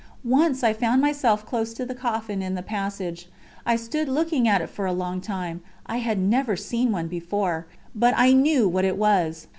Once I found myself close to the coffin in the passage. I stood looking at it for a long time; I had never seen one before, but I knew what it was.